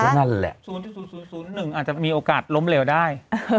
๐๐๐๑อาจจะมีโอกาสล้มเหลวได้